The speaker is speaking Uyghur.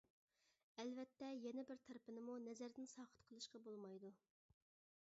ئەلۋەتتە يەنە بىر تەرىپىنىمۇ نەزەردىن ساقىت قىلىشقا بولمايدۇ.